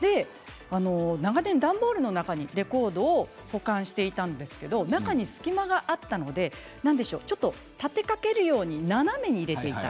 長年、段ボールの中にレコードを保管していたんですけど中に隙間があったのでちょっと立てかけるように斜めに入れていた。